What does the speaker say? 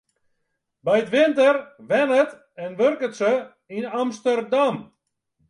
By 't winter wennet en wurket se yn Amsterdam.